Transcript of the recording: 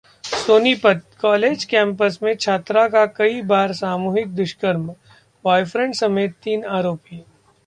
Sonipat: college campus में छात्रा का कई बार सामूहिक दुष्कर्म, ब्वॉयफ्रेंड समेत तीन आरोपी